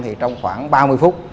thì trong khoảng ba mươi phút